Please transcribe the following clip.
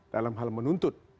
dalam hal menuntut